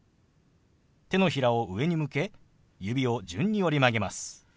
手のひらを上に向け指を順に折り曲げます。